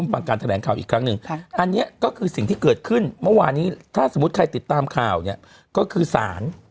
ถ้าสมมุติใครติดตามข่าวก็คือศาล